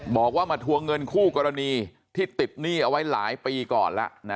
บอกว่ามาทวงเงินคู่กรณีที่ติดหนี้เอาไว้หลายปีก่อนแล้ว